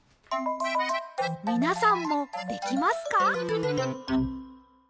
みなさんもできますか？